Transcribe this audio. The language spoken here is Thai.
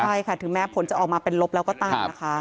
ใช่ค่ะถึงแม้ผลจะออกมาเป็นลบแล้วก็ตามนะคะ